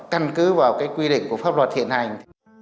căn cứ vào cái quy định của pháp luật hiện hành